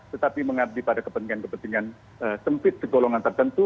tetapi mengabdi pada kepentingan kepentingan sempit segolongan tertentu